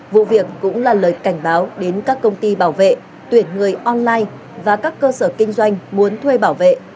vụ việc cũng là lời cảnh báo đến các công ty bảo vệ tuyển người online và các cơ sở kinh doanh muốn thuê bảo vệ